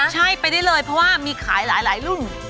ใช่ไปได้เลยเพราะว่ามีขายหลายรุ่น